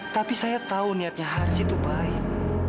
tapi saya tahu niatnya harji itu baik